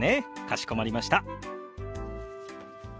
かしこまりました。